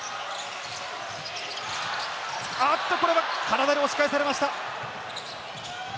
これは体で押し返されました。